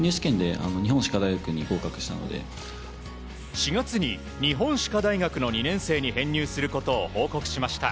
４月に日本歯科大学の２年生に編入することを報告しました。